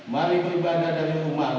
mari beribadah dari rumahmu